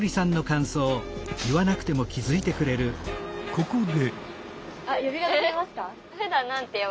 ここで。